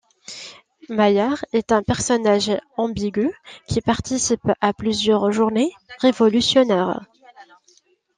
Maillard est un personnage ambigu qui participe à plusieurs journées révolutionnaires.